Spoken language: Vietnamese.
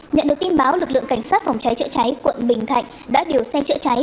nhận được tin báo lực lượng cảnh sát phòng cháy chữa cháy quận bình thạnh đã điều xe chữa cháy